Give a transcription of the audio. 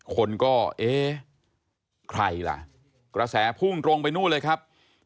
คนก็เอ๊ะใครล่ะกระแสพุ่งตรงไปนู่นเลยครับ